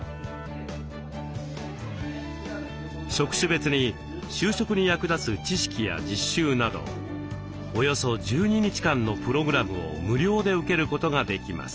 職種別に就職に役立つ知識や実習などおよそ１２日間のプログラムを無料で受けることができます。